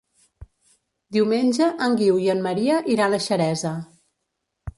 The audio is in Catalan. Diumenge en Guiu i en Maria iran a Xeresa.